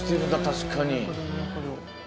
確かに。